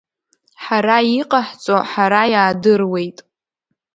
Ҳара иҟаҳҵо ҳара иаадыруеит.